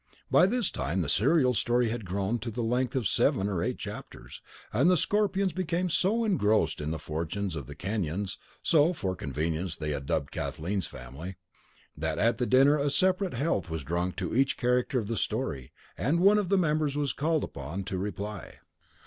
By this time the serial story had grown to the length of seven or eight chapters, and the Scorpions became so engrossed in the fortunes of the Kenyons (so, for convenience, they had dubbed Kathleen's family) that at the dinner a separate health was drunk to each character in the story, and one of the members was called upon to reply.